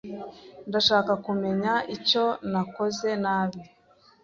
Ndashaka kumenya icyo nakoze nabi.